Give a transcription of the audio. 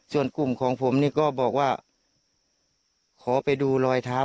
ส่วนกลุ่มของผมนี่ก็บอกว่าขอไปดูรอยเท้า